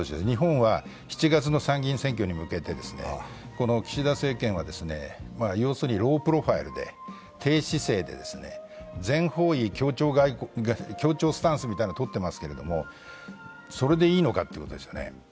日本は７月の参議院選挙に向けて岸田政権は要するにロープロファイルで低姿勢で全方位協調スタンスみたいなのをとっていますけども、それでいいのかということですよね。